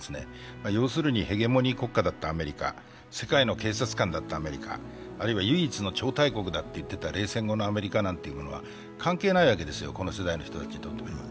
要するにヘゲモニー国家だったアメリカ、世界の警察官だったアメリカ、あるいは唯一の超大国だと言われた冷戦時代のアメリカ、関係ないわけですよ、この世代の人たちにとっては。